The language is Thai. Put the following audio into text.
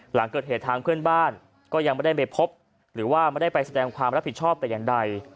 หลังเกิดเหตุทางเพื่อนบ้านก็ยังไม่ได้ไปพบหรือว่าไม่ได้ไปแสดงความรับผิดชอบแต่อย่างใด